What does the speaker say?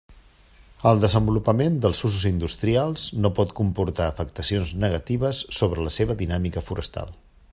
El desenvolupament dels usos industrials no pot comportar afectacions negatives sobre la seva dinàmica forestal.